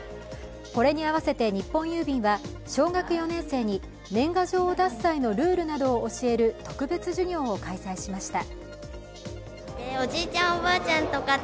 これに合わせて日本郵便は、小学４年生に年賀状を出す際のルールなどを教える特別授業を開催しました。